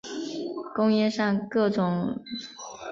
工业上各种氯代乙酸就是通过这个反应制备的。